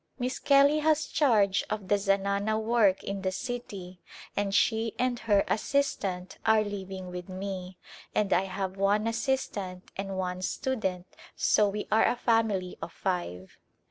Miss Kelly has charge of the zanana work in the city and she and her assistant are living with me, and I have one assistant and one student so we are a family of five.